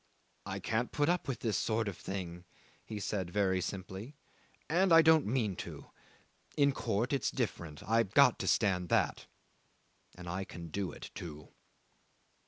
"I can't put up with this kind of thing," he said, very simply, "and I don't mean to. In court it's different; I've got to stand that and I can do it too."